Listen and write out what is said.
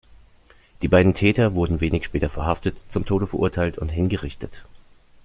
Die beiden Täter wurden wenig später verhaftet, zum Tode verurteilt und hingerichtet.